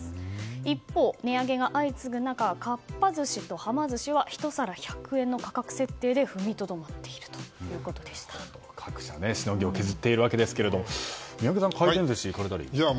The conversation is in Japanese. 一方、値上げが相次ぐ中かっぱ寿司と、はま寿司は１皿１００円の価格設定で踏みとどまっている各社しのぎを削っているわけですが宮家さん、回転寿司行かれたりは。